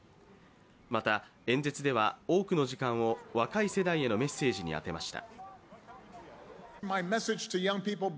また演説では多くの時間を若い世代へのメッセージに当てました。